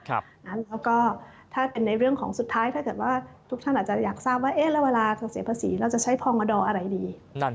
แล้วก็ถ้าเป็นในเรื่องของสุดท้ายถ้าเกิดว่าทุกท่านอาจจะอยากทราบว่าแล้วเวลาเธอเสียภาษีเราจะใช้พงดอะไรดี